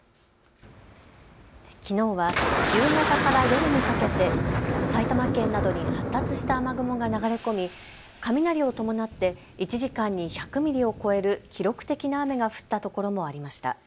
きのうは夕方から夜にかけて埼玉県などに発達した雨雲が流れ込み雷を伴って１時間に１００ミリを超える記録的な雨が降ったところもありました。